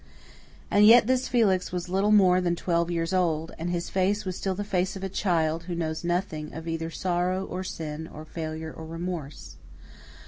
And yet this Felix was little more than twelve years old, and his face was still the face of a child who knows nothing of either sorrow or sin or failure or remorse.